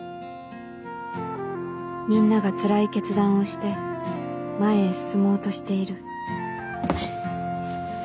みんながつらい決断をして前へ進もうとしている